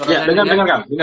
ya dengar dengar kang